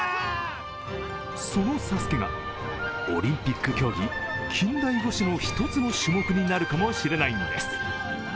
その「ＳＡＳＵＫＥ」がオリンピック競技、近代五種の１つの種目になるかもしれないんです。